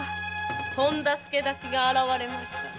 とんだ助太刀が現れましたな。